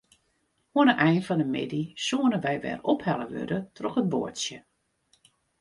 Oan 'e ein fan 'e middei soene wy wer ophelle wurde troch it boatsje.